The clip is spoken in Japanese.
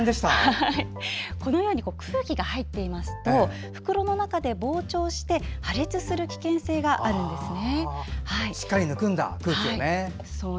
このように空気が入っていますと袋の中で膨張して破裂する危険性があるんですね。